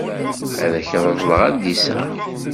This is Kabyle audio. Ad ak-reḍleɣ adlis-a.